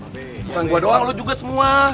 bukan gue doang lo juga semua